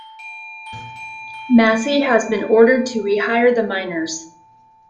Massey has been ordered to rehire the miners.